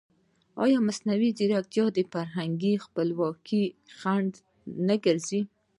ایا مصنوعي ځیرکتیا د فرهنګي خپلواکۍ خنډ نه ګرځي؟